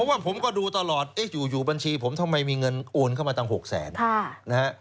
เพราะว่าผมก็ดูตลอดอยู่บัญชีผมทำไมมีเงินโอนเข้ามาตั้ง๖แสนนะฮะ